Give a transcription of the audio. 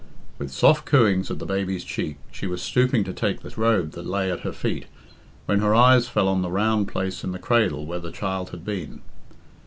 With soft cooings at the baby's cheek, she was stooping to take the robe that lay at her feet, when her eyes fell on the round place in the cradle where the child had been.